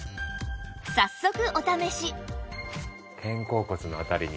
早速お試し